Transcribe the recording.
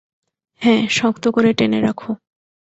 হ্যাঁ, শক্ত করে টেনে রাখো।